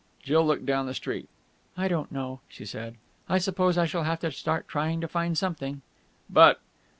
Jill looked down the street. "I don't know," she said. "I suppose I shall have to start trying to find something." "But...."